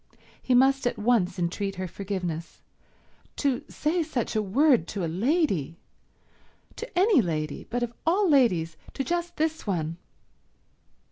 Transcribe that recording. He must at once entreat her forgiveness. To say such a word to a lady—to any lady, but of all ladies to just this one